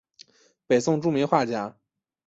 北宋著名画家。